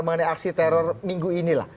mengenai aksi teror minggu ini lah